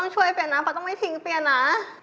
ช่วยเฟียนะฟอยต้องไม่ทิ้งเฟียนะ